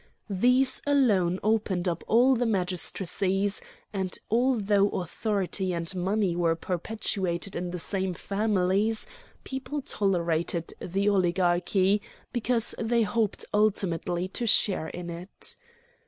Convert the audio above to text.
These alone opened up all the magistracies, and although authority and money were perpetuated in the same families, people tolerated the oligarchy because they hoped ultimately to share in it.